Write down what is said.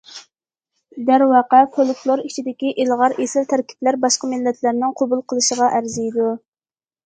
دەرۋەقە، فولكلور ئىچىدىكى ئىلغار، ئېسىل تەركىبلەر باشقا مىللەتلەرنىڭ قوبۇل قىلىشىغا ئەرزىيدۇ.